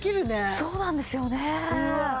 そうなんですよね。